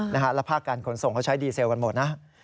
แล้วภาคการขนส่งเขาใช้ดีเซลกันหมดนะ